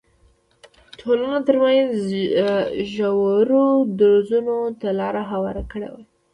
ټولنو ترمنځ ژورو درزونو ته لار هواره کړې وای.